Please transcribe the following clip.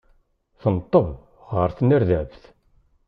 Tenṭeb ɣer tnerdabt.